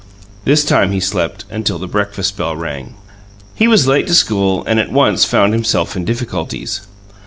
This time he slept until the breakfast bell rang. He was late to school, and at once found himself in difficulties.